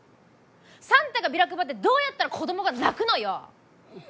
サンタがビラ配ってどうやったら子供が泣くのよ！